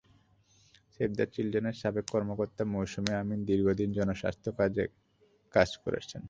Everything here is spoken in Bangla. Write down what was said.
সেভ দ্য চিলড্রেনের সাবেক কর্মকর্তা মৌসুমী আমীন দীর্ঘদিন জনস্বাস্থ্য খাতে কাজ করছেন।